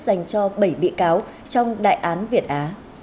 dành cho bảy bị cáo trong đại án việt á